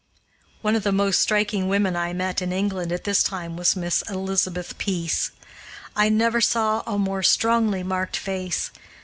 One of the most striking women I met in England at this time was Miss Elizabeth Pease. I never saw a more strongly marked face.